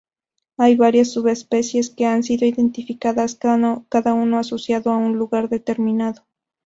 Hay varias subespecies que han sido identificadas, cada uno asociado a un lugar determinado.